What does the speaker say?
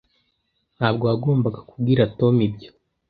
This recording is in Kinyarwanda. Ntabwo wagombaga kubwira Tom ibyo.